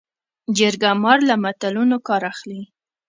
جرګه مار له متلونو کار اخلي